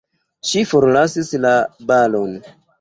Ŝi forlasis la balon!